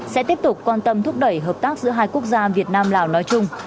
sẽ tiếp tục quan tâm thúc đẩy hợp tác giữa hai quốc gia việt nam lào nói chung